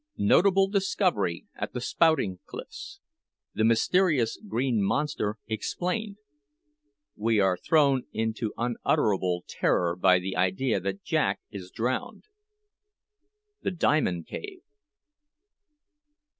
NOTABLE DISCOVERY AT THE SPOUTING CLIFFS THE MYSTERIOUS GREEN MONSTER EXPLAINED WE ARE THROWN INTO UNUTTERABLE TERROR BY THE IDEA THAT JACK IS DROWNED THE DIAMOND CAVE.